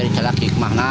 kita harus mengikmahkan